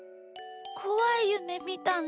こわいゆめみたんだ。